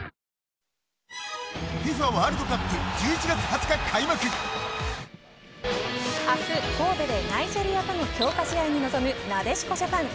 明日の世界柔道は明日神戸でナイジェリアとの強化試合に臨むなでしこジャパン。